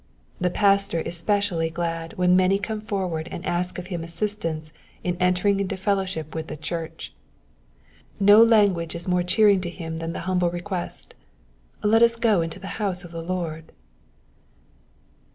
The pastor is specially glad when many come forward and ask of him assistance in entering into fellowship with the church. No language is more cheering to him than the humble request, Let us go into the house of the Lord."